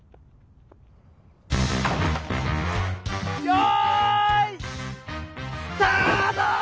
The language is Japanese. よいスタート！